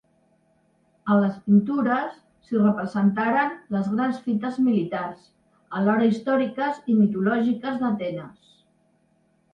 A les pintures s'hi representaren les grans fites militars, alhora històriques i mitològiques, d'Atenes.